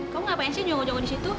kamu ngapain sih nyunggu nyunggu disitu